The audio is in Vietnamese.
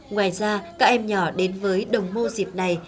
ngoài ra các em nhỏ đến với đồng mô dịp này